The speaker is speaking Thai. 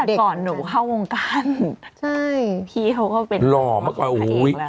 ตั้งแต่ก่อนหนูเข้าวงการใช่พี่เขาก็เป็นหล่อเมื่อก่อนอุ้ย